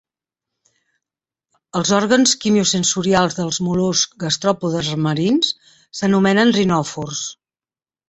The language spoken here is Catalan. Els òrgans quimiosensorials dels mol·luscs gastròpodes marins s'anomenen rinòfors.